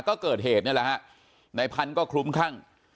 ก็เกิดเหตุเนี้ยแหละฮะในพันธุ์ก็คลุ้มข้าง